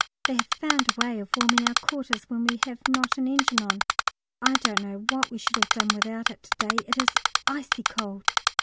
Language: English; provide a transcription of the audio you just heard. _ They have found a way of warming our quarters when we have not an engine on. I don't know what we should have done without it to day; it is icy cold.